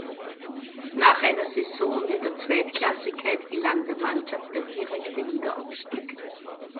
Nach einer Saison in der Zweitklassigkeit gelang der Mannschaft der direkte Wiederaufstieg.